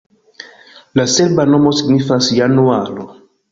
La serba nomo signifas januaro.